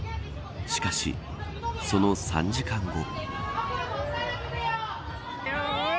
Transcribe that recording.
しかし、その３時間後。